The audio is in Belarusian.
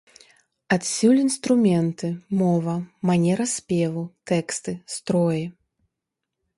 Адсюль інструменты, мова, манера спеву, тэксты, строі.